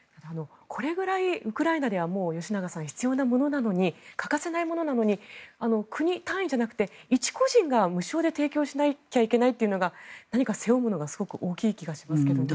これぐらいウクライナでは吉永さん、必要なものなのに欠かせないものなのに国単位じゃなくて、一個人が無償で提供しなきゃいけないというのが何か背負うものが大きい気がしますけどね。